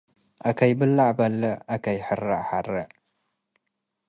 አከይ-ብለዕ በሌዕ፡ አከይ ሕረዕ ሐሬዕ።